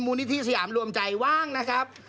นิธิสยามรวมใจว่างนะครับ